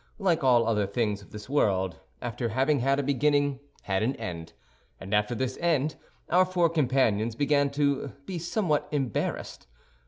like all other things of this world, after having had a beginning had an end, and after this end our four companions began to be somewhat embarrassed.